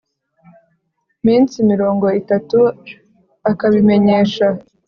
Minsi mirongo itatu akabimenyesha